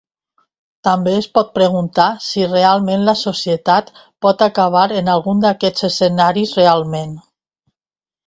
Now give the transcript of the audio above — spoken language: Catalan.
També es pot preguntar si realment la societat pot acabar en algun d'aquests escenaris realment.